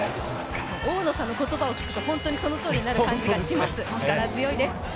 大野さんの言葉を聞くと、本当にそうなる気がします、力強いです。